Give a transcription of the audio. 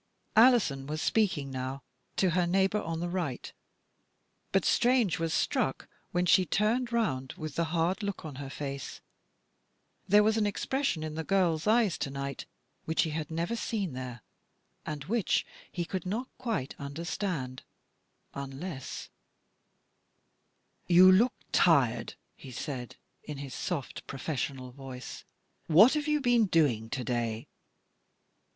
Alison was speaking now to her neighbour on the right, but Strange was struck, when she turned round, with the hard look on her face. There was an expression in the girl's eyes to night which he had never seen there, and which he could not quite understand, unless " You look tired, 77 he said, in his soft, pro fessional voice. a What have you been doing to day?"